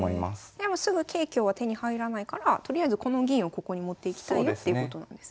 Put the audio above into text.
でもすぐ桂香は手に入らないからとりあえずこの銀をここに持っていきたいよっていうことなんですね。